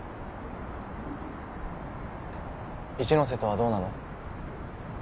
一ノ瀬とはどうなの？